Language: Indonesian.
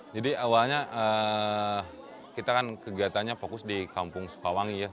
jadi awalnya kita kan kegiatannya fokus di kampung sukawangi ya